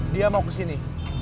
dia mau ke sini